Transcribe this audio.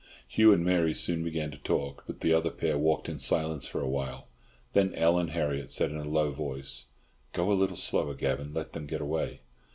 Hugh and Mary soon began to talk, but the other pair walked in silence for a while. Then Ellen Harriott said in a low voice, "Go a little slower, Gavan. Let them get away."